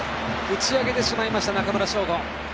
打ち上げてしまいました中村奨吾。